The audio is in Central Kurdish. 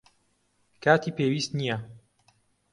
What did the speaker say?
کاتی پێویست نییە.